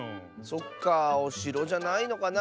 そっかあおしろじゃないのかなあ。